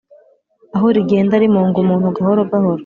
aho rigenda rimunga umuntu gahoro gahoro